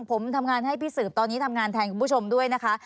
ผมทำงานให้พี่สืบตอนนี้ทำงานแทนคุณผู้ชมด้วยนะคะ